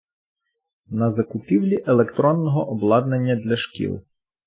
на закупівлі електронного обладнання для шкіл.